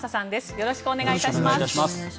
よろしくお願いします。